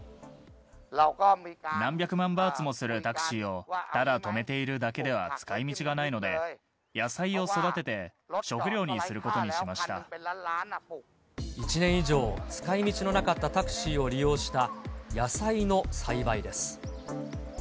何百万バーツもするタクシーを、ただ止めているだけでは使いみちがないので、野菜を育てて、１年以上、使いみちのなかったタクシーを利用した野菜の栽培です。